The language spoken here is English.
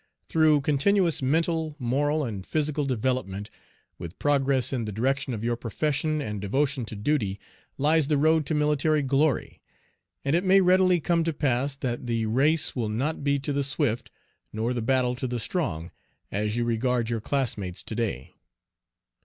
Through continuous mental, moral, and physical development, with progress in the direction of your profession and devotion to duty, lies the road to military glory; and it may readily come to pass that "the race will not be to the swift, nor the battle to the strong," as you regard your classmates to day.